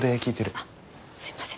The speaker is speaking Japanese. あっすいません。